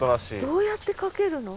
どうやってかけるの？